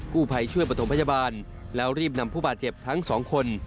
ผู้ภัยช่วยประถมพยาบาลแล้วรีบนำผู้บาดเจ็บทั้งสองคน